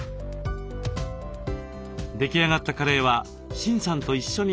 出来上がったカレーはシンさんと一緒に頂きます。